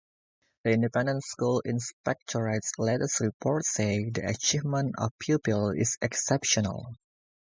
The Independent Schools Inspectorate's latest report says, The achievement of pupils is exceptional.